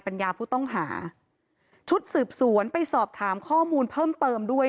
ยาผู้ต้องหาชุดสืบสวนไปสอบถามข้อมูลเพิ่มเติมด้วย